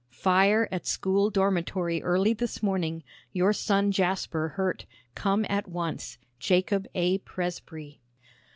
"Fire at school dormitory early this morning. Your son Jasper hurt. Come at once. "JACOB A. PRESBREY."